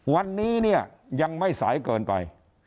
วันนี้เนี่ยยังไม่สายเกินไป